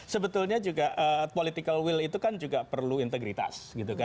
sebetulnya juga political will itu kan juga perlu integritas